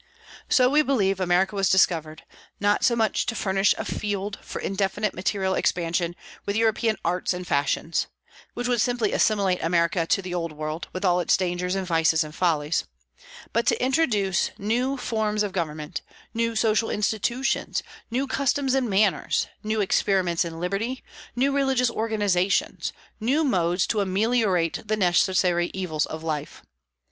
So we believe America was discovered, not so much to furnish a field for indefinite material expansion, with European arts and fashions, which would simply assimilate America to the Old World, with all its dangers and vices and follies, but to introduce new forms of government, new social institutions, new customs and manners, new experiments in liberty, new religious organizations, new modes to ameliorate the necessary evils of life.